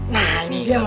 nah ini dia mas